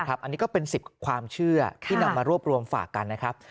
อันนี้ก็เป็น๑๐ความเชื่อที่นำมารวบรวมฝากกันนะครับ